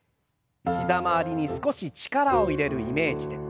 膝周りに少し力を入れるイメージで。